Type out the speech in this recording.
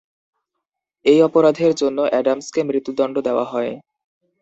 এই অপরাধের জন্য অ্যাডামসকে মৃত্যুদণ্ড দেওয়া হয়।